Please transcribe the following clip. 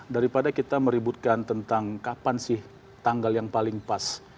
daripada kita meributkan tentang kapan sih tanggal yang paling pas